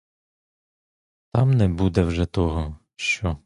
Там не буде вже того, що.